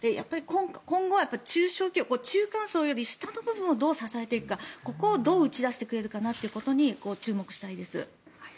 今後、中小企業中間層より下の部分をどう支えていくかここをどう打ち出してくれるかなというところに注目したいです。